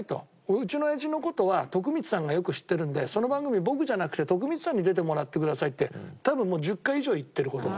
「うちのおやじの事は徳光さんがよく知ってるんでその番組僕じゃなくて徳光さんに出てもらってください」って多分もう１０回以上言ってる事がある。